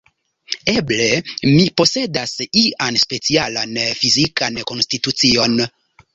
Eble, mi posedas ian specialan fizikan konstitucion?